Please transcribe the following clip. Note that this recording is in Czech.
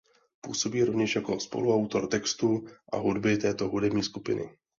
Působí rovněž jako spoluautor textů a hudby této hudební skupiny.